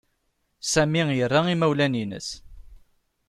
Sami ira imawlan-nnes.